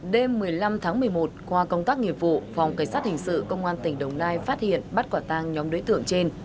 đêm một mươi năm tháng một mươi một qua công tác nghiệp vụ phòng cảnh sát hình sự công an tỉnh đồng nai phát hiện bắt quả tang nhóm đối tượng trên